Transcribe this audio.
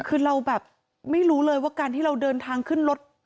คือเราแบบไม่รู้เลยว่าการที่เราเดินทางขึ้นรถ